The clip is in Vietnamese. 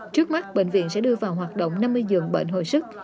trước mắt bệnh viện sẽ đưa vào hoạt động năm mươi giường bệnh hồi sức